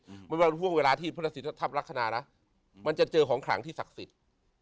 ถ้าศักดิ์สิทธิ์มันว่าเวลาที่พระศิษฐธรรมลักษณะแล้วมันจะเจอของขลางที่ศักดิ์สิทธิ์